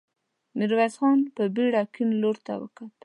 ميرويس خان په بېړه کيڼ لور ته وکتل.